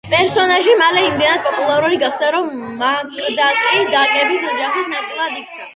პერსონაჟი მალე იმდენად პოპულარული გახდა, რომ მაკდაკი დაკების ოჯახის ნაწილად იქცა.